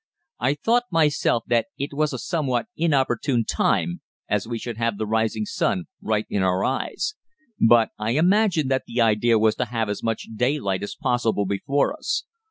"I thought myself that it was a somewhat inopportune time, as we should have the rising sun right in our eyes; but I imagine that the idea was to have as much daylight as possible before us.